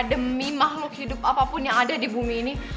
demi makhluk hidup apapun yang ada di bumi ini